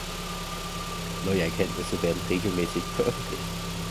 Neue Erkenntnisse werden regelmäßig veröffentlicht.